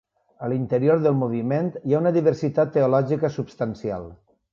A l'interior del moviment, hi ha una diversitat teològica substancial.